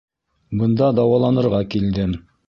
Бында дауаланырға килдем.